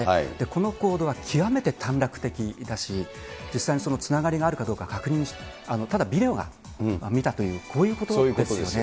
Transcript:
この行動は極めて短絡的だし、実際に、つながりがあるかどうか確認して、ただビデオを見たという、こういうことですよね。